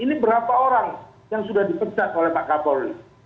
ini berapa orang yang sudah dipecat oleh pak kapolri